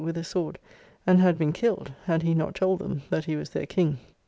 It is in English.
with a sword and had been killed, had he not told them that he was their king.